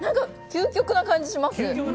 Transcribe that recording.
究極な感じがします。